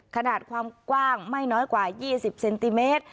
ขนาดความกว้างไม่น้อยกว่า๒๐เซนติเมตร